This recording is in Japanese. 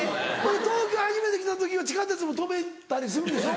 東京初めて来た時は地下鉄も止めたりするんでしょ？